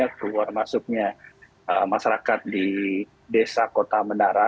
itu luar masuknya masyarakat di desa kota menara